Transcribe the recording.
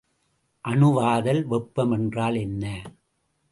அணுவாதல் வெப்பம் என்றால் என்ன?